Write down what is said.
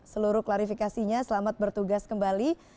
seluruh klarifikasinya selamat bertugas kembali